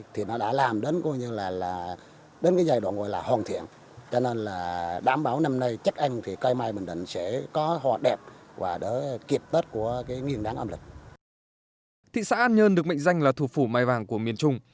thị xã an nhơn được mệnh danh là thủ phủ mai vàng của miền trung